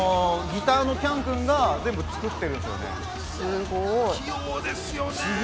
ギターの喜矢武君が全部作ってるんです。